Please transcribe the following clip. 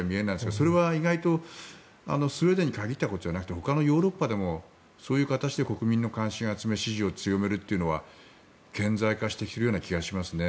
それは意外とスウェーデンに限ったことではなくて他のヨーロッパでもそういう形で国民の関心を集め支持を強めるというのは顕在化してきている気がしますね。